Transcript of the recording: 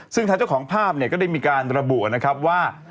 ซึ่งท่าเจ้าของภาพก็ได้มีการระบวนว่า